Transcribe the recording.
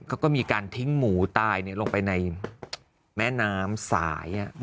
เขาก็มีการทิ้งหมูตายลงไปในแม่น้ำสาย